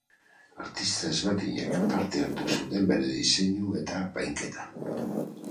Artista ezberdinek parte hartu zuten bere diseinu eta apainketan.